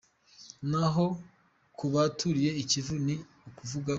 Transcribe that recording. Naho ku baturiye i Kivu nu ukuvuga :Kure.